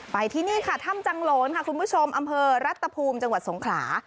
ไปที่นี่ค่ะถ้ำจังโหลนค่ะคุณผู้ชมอำเภอรัตภูมิจังหวัดสงขลา